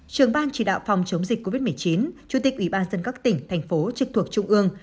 trường ban chỉ đạo phòng chống dịch covid một mươi chín chủ tịch ủy ban dân các tỉnh thành phố trực thuộc trung ương